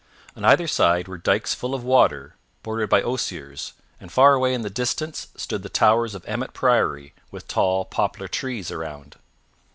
On either side were dikes full of water bordered by osiers, and far away in the distance stood the towers of Emmet Priory with tall poplar trees around.